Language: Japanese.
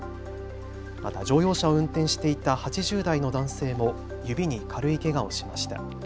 また乗用車を運転していた８０代の男性も指に軽いけがをしました。